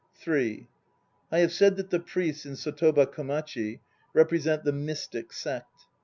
(3) I have said that the priests in Sotoba Komachi represent the Mystic Sect.